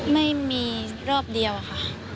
ไม่มีรอบเดียวอะค่ะ